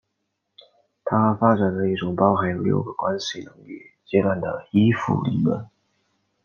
他发展了一种包含有六个关系能力阶段的依附理论。